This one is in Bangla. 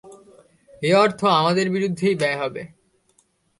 এ অর্থ আমাদের বিরুদ্ধেই ব্যয় হবে।